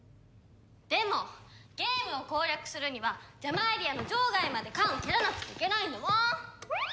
でもゲームを攻略するにはジャマーエリアの場外まで缶を蹴らなくちゃいけないんだもん！